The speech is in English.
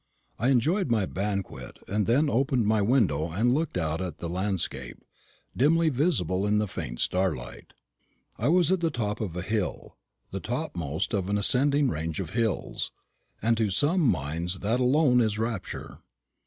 I enjoyed my banquet, and then opened my window and looked out at the still landscape, dimly visible in the faint starlight. I was at the top of a hill the topmost of an ascending range of hills and to some minds that alone is rapture.